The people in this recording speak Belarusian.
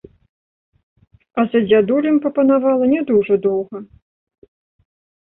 А за дзядулем папанавала не дужа доўга.